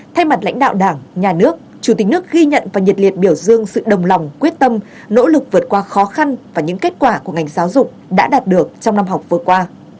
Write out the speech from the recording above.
thay mặt lãnh đạo đảng nhà nước chủ tịch nước ghi nhận và nhiệt liệt biểu dương sự đồng lòng quyết tâm nỗ lực vượt qua khó khăn và những kết quả của ngành giáo dục đã đạt được trong năm học vừa qua